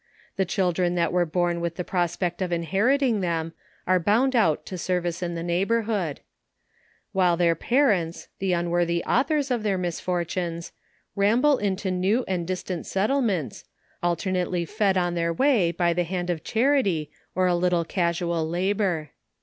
The children that were born with the prospect of inheriting them, are bound out to service in the neighbourhood ; while their parents, the unworthy authors of their misfortunes, ramble into new and distant settlements, alternately fed on their way by the hand of charity, or a little casual labour.